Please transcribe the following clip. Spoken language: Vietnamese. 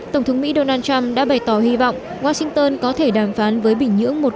tổng thống mỹ donald trump đã bày tỏ hy vọng washington có thể đàm phán với bình nhưỡng một